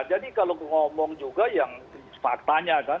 jadi kalau ngomong juga yang faktanya kan